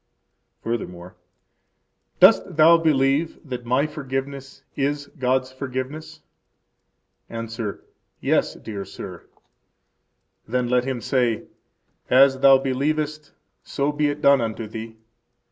Furthermore: Dost thou believe that my forgiveness is God's forgiveness? –Answer: Yes, dear sir. Then let him say: As thou believest, so be it done unto thee.